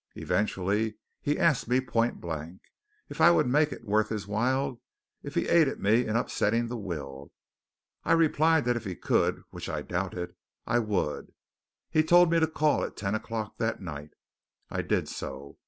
Eventually he asked me, point blank, if I would make it worth his while if he aided me in upsetting the will. I replied that if he could which I doubted I would. He told me to call at ten o'clock that night. I did so.